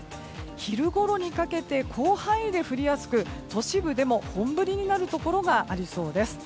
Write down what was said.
昼ごろにかけて広範囲で降りやすく都市部でも本降りになるところがありそうです。